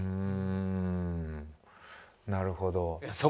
うーんなるほど。